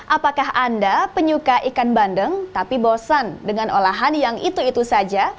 apakah anda penyuka ikan bandeng tapi bosan dengan olahan yang itu itu saja